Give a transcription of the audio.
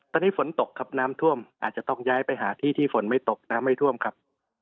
ตอนนี้ฝนตกครับน้ำท่วมอาจจะต้องย้ายไปหาที่ที่ฝนไม่ตกน้ำไม่ท่วมครับ